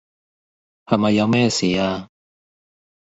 係咪有咩事呀